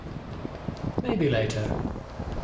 Maybe later.